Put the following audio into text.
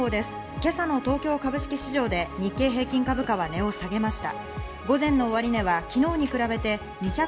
今朝の東京株式市場で日経平均株価は値を下げました。